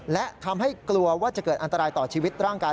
และทำให้กลัวว่าจะเกิดอันตรายต่อชีวิตร่างกาย